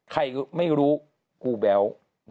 ใครไม่รู้กูแบ๊ว